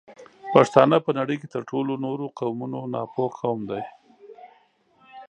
پښتانه په نړۍ کې تر ټولو نورو قومونو ناپوه قوم دی